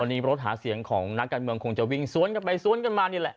วันนี้รถหาเสียงของนักการเมืองคงจะวิ่งสวนกันไปสวนกันมานี่แหละ